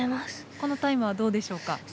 このタイムはどうでしょうか。